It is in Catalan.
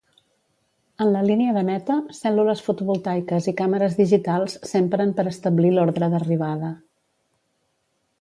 En la línia de meta, cèl·lules fotovoltaiques i càmeres digitals s'empren per establir l'ordre d'arribada.